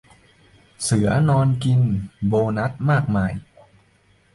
เสือนอนกิน โบนัสมากมาย